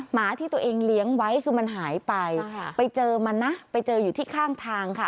หมาที่ตัวเองเลี้ยงไว้คือมันหายไปไปเจอมันนะไปเจออยู่ที่ข้างทางค่ะ